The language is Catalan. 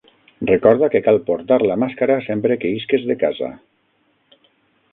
Recorda que cal portar la màscara sempre que isques de casa.